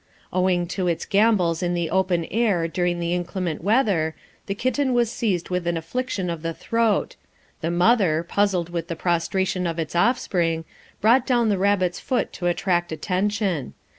Owing to its gambols in the open air during the inclement weather, the kitten was seized with an affliction of the throat; the mother, puzzled with the prostration of its offspring, brought down the rabbit's foot to attract attention.